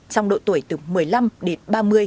trong độ tuổi từ một mươi năm đến ba mươi